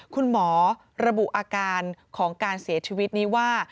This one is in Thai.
คุณหมอระบุอาการของการเสียชีวิตนี้ว่า